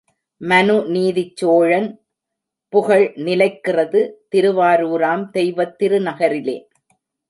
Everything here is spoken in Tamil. மனு நீதிச் சோழன் புகழ் நிலைக்கிறது திருவாரூராம் தெய்வத் திருநகரிலே.